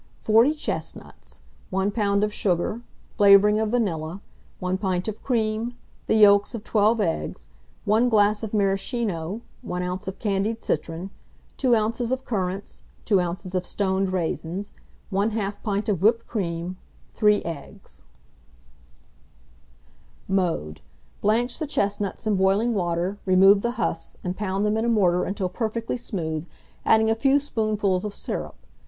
40 chestnuts, 1 lb. of sugar, flavouring of vanilla, 1 pint of cream, the yolks of 12 eggs, 1 glass of Maraschino, 1 oz. of candied citron, 2 oz. of currants, 2 oz. of stoned raisins, 1/2 pint of whipped cream, 3 eggs. Mode. Blanch the chestnuts in boiling water, remove the husks, and pound them in a mortar until perfectly smooth, adding a few spoonfuls of syrup.